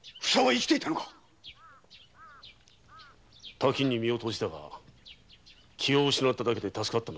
滝に身を投じたが気を失っただけで助かったのだ。